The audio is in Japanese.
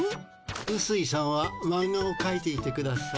うすいさんはマンガをかいていてください。